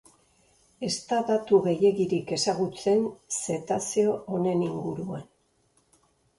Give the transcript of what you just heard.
Ez da datu gehiegirik ezagutzen zetazeo honen inguruan.